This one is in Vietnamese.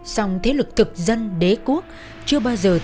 sông thế lực thực dân đế quốc chưa bao giờ tự nhiên